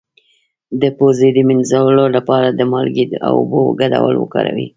د پوزې د مینځلو لپاره د مالګې او اوبو ګډول وکاروئ